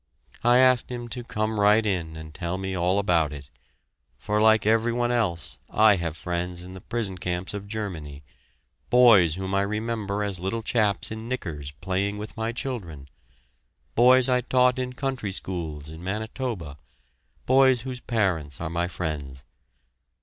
I asked him to come right in and tell me all about it for like every one else I have friends in the prison camps of Germany, boys whom I remember as little chaps in knickers playing with my children, boys I taught in country schools in Manitoba, boys whose parents are my friends.